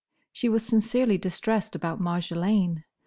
She was sincerely distressed about Marjolaine.